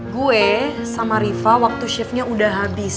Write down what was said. gue sama riva waktu shiftnya udah habis